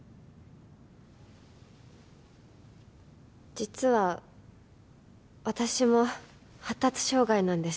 実は私も発達障害なんです。